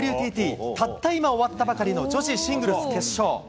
たった今、終わったばかりの女子シングルス決勝。